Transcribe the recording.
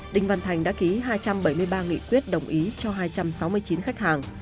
đinh văn thành đã ký hai trăm bảy mươi ba nghị quyết đồng ý cho hai trăm sáu mươi chín khách hàng